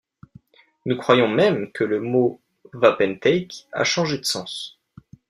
Nous croyons même que le mot wapentake a changé de sens.